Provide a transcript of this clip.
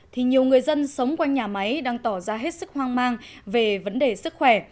thì nhiều người dân sống quanh nhà máy đang tỏ ra hết sức hoang mang về vấn đề sức khỏe